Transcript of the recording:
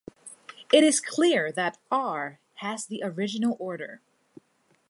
It is clear that "R" has the original order.